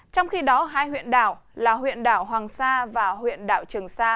trong khi đó hai huyện đảo là huyện đảo hoàng sa và huyện đảo trường sa